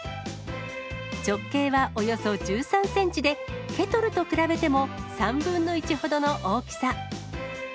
直径はおよそ１３センチで、ケトルと比べても３分の１ほどの大きさ。